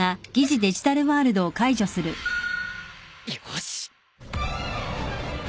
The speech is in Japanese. よし。